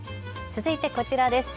続いてこちらです。